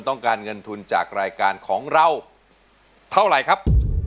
ต้องการเงินทุนจากรายการของเราเท่าไหร่ครับ